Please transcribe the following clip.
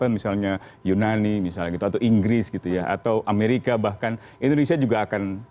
misalnya yunani atau inggris atau amerika bahkan indonesia juga akan